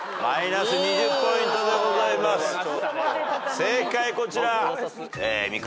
正解こちら。